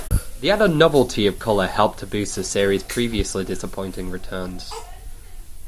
The added novelty of color helped to boost the series' previously disappointing returns.